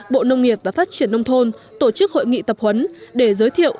bộ nông nghiệp và phát triển nông thôn tổ chức hội nghị tập huấn để giới thiệu